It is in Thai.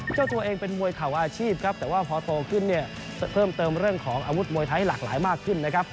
เจ้าตัวเองเป็นมวยเข่าอาชีพครับแต่ว่าพอโตขึ้นเนี่ยเพิ่มเติมเรื่องของอาวุธมวยไทยหลากหลายมากขึ้นนะครับ